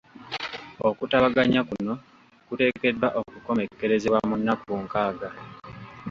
Okutabaganya kuno kuteekeddwa okukomekkerezebwa mu nnaku nkaaga.